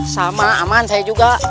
sama aman saya juga